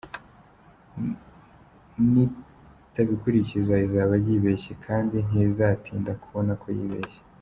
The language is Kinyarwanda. Nitabikurikiza izaba yibeshye, kandi ntizatinda kubona ko yibeshye.